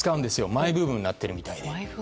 マイブームになってるみたいで。